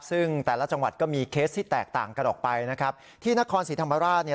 ซึ่งแต่ละจังหวัดก็มีเคสที่แตกต่างกันออกไปนะครับที่นครศรีธรรมราชเนี่ย